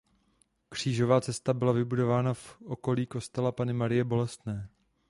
Křížová cesta byla vybudována v okolí kostela Panny Marie Bolestné.